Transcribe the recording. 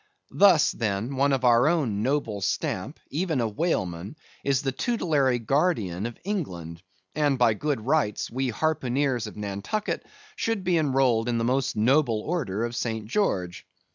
Thus, then, one of our own noble stamp, even a whaleman, is the tutelary guardian of England; and by good rights, we harpooneers of Nantucket should be enrolled in the most noble order of St. George.